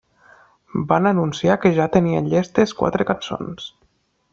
Van anunciar que ja tenien llestes quatre cançons.